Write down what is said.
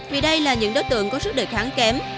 vì đây là những đối tượng có sức đề kháng kém